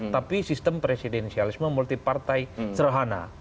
tapi sistem presidensialisme multi partai serhana